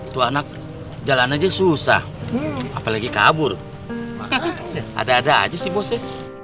tuh anak jalan aja susah apalagi kabur ada ada aja sih bosnya